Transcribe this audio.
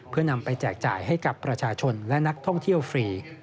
เพื่อนำไปแจกจ่ายให้กับประชาชนและนักท่องเที่ยวฟรี